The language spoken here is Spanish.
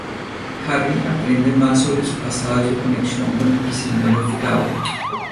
Harry aprende más sobre su pasado y su conexión con el prisionero fugado.